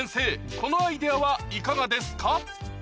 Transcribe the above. このアイデアはいかがですか？